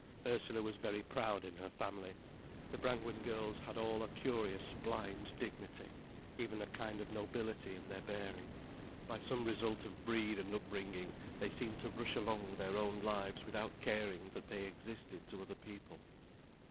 Ursula was very proud in her family. The Brangwen girls had all a curious blind dignity, even a kind of nobility in their bearing. By some result of breed and upbringing, they seemed to rush along their own lives without caring that they existed to other people.